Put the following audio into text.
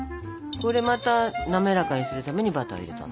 これまた滑らかにするためにバターを入れたの。